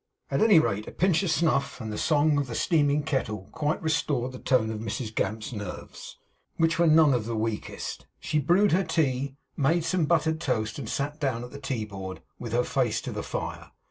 At any rate, a pinch of snuff, and the song of the steaming kettle, quite restored the tone of Mrs Gamp's nerves, which were none of the weakest. She brewed her tea; made some buttered toast; and sat down at the tea board, with her face to the fire.